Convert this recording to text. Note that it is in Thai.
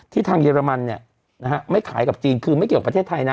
ทางเยอรมันเนี่ยนะฮะไม่ขายกับจีนคือไม่เกี่ยวกับประเทศไทยนะ